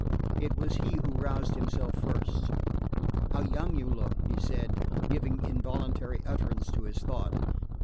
It was he who roused himself first. "How young you look!" he said, giving involuntary utterance to his thought.